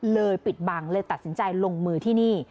ปิดบังเลยตัดสินใจลงมือที่นี่